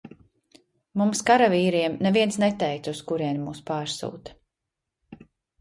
Mums karavīriem neviens neteica uz kurieni mūs pārsūta.